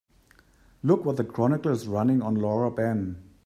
Look what the Chronicle is running on Laura Ben.